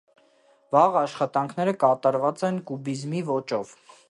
Վաղ աշխատանքները կատարված են կուբիզմի ոճով։